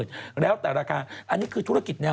จากกระแสของละครกรุเปสันนิวาสนะฮะ